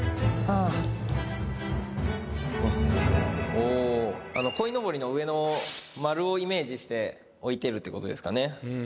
おぉあの鯉のぼりの上の丸をイメージして置いてるってことですかね。